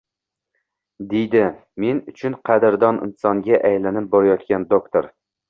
deydi men uchun qadrdon insonga aylanib borayotgan doktor